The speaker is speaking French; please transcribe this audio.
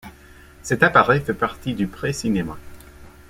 Cet appareil fait partie du pré-cinéma.